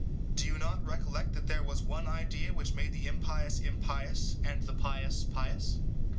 Do you not recollect that there was one idea which made the impious impious, and the pious pious?